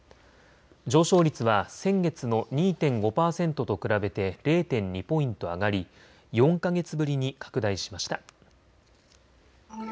上昇率は先月の２．５％と比べて０．２ポイント上がり４か月ぶりに拡大しました。